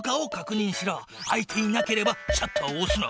開いていなければシャッターをおすな。